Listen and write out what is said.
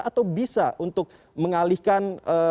atau bisa untuk mengalihkan